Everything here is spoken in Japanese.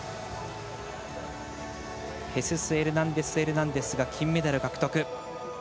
ヘスス・エルナンデスエルナンデスが金メダル獲得。